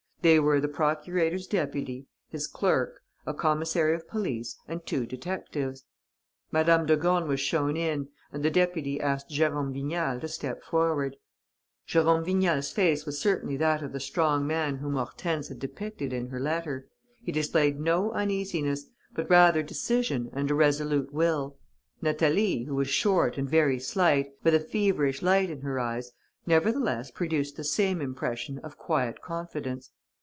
They were the procurator's deputy, his clerk, a commissary of police and two detectives. Madame de Gorne was shown in and the deputy asked Jérôme Vignal to step forward. Jérôme Vignal's face was certainly that of the strong man whom Hortense had depicted in her letter. He displayed no uneasiness, but rather decision and a resolute will. Natalie, who was short and very slight, with a feverish light in her eyes, nevertheless produced the same impression of quiet confidence.